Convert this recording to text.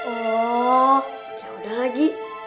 oh yaudah lagi